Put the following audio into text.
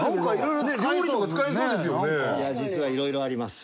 いや実はいろいろあります。